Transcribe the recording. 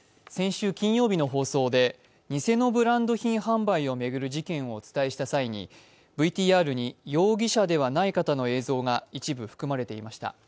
先週金曜日の放送で偽のブランド品販売を巡る事件をお伝えした際にＶＴＲに容疑者ではない方の映像が一部含まれていました。